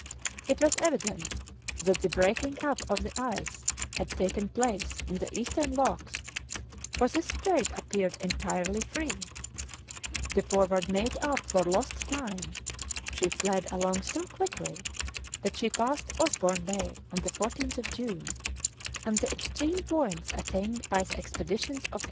It was evident that the breaking up of the ice had taken place in the eastern locks, for this strait appeared entirely free; the Forward made up for lost time; she fled along so quickly that she passed Osborne Bay on the 14th of June, and the extreme points attained by the expeditions of 1851.